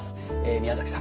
宮崎さん